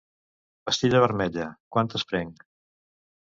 Pastilla vermella, quantes prenc?